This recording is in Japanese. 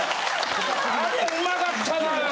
あれうまかったな。